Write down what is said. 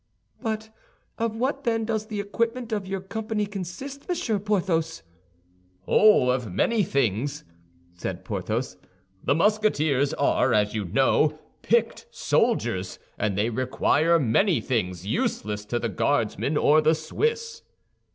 "But of what, then, does the equipment of your company consist, Monsieur Porthos?" "Oh, of many things!" said Porthos. "The Musketeers are, as you know, picked soldiers, and they require many things useless to the Guardsmen or the Swiss."